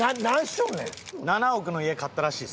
７億の家買ったらしいですね。